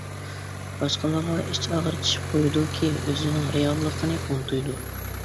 باشقىلارغا ئىچ ئاغرىتىشىپ قويىدۇكى، ئۆزىنىڭ رېئاللىقىنى ئۇنتۇيدۇ.